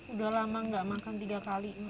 udah lama gak makan tiga kali